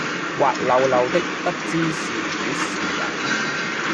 滑溜溜的不知是魚是人，